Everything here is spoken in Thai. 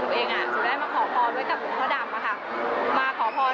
ปีห้าเก้าอ่ะค่ะทางตัวหนูเองอ่ะสุดแรกมาขอพรไว้กับหลวงพ่อดำอ่ะค่ะ